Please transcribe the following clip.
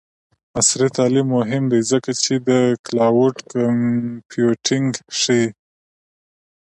عصري تعلیم مهم دی ځکه چې د کلاؤډ کمپیوټینګ ښيي.